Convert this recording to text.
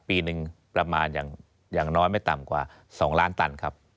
ปีหนึ่งประมาณอย่างน้อยไม่ต่ำกว่า๒ล้านตันครับ